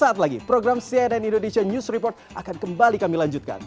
sesaat lagi program cnn indonesia news report akan kembali kami lanjutkan